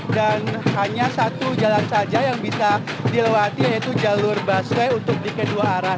dan hanya satu jalan saja yang bisa dilewati yaitu jalur busway untuk di kedua arah